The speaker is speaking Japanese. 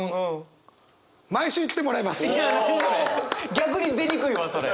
逆に出にくいわそれ！